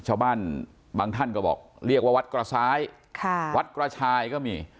ชาวบ้านบางท่านก็บอกเรียกว่าวัดกระซ้ายวัดกระชายก็มี